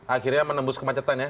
akhirnya menembus kemacetan ya